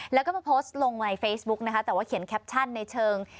แล้วก็มาโพสต์ลงในเฟซบุ๊กนะคะแต่ว่าเขียนแคปชั่นในเชิง